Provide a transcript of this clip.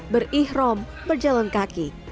berihrom berjalan kaki